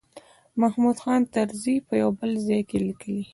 محمود خان طرزي په یو بل ځای کې لیکلي.